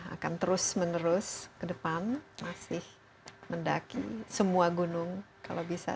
akan terus menerus ke depan masih mendaki semua gunung kalau bisa